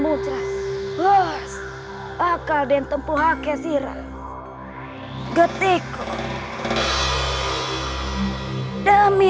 ini bulan bulan bernama